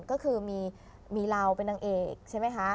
ก็คือมีเราเป็นนางเอกใช่ไหมคะ